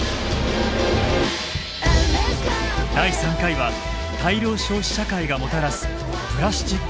第３回は大量消費社会がもたらすプラスチック汚染。